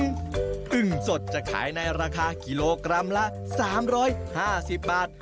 ปราร้าอึงอึงสดจะขายในราคากิโลกรัมละสามร้อยห้าสิบบาท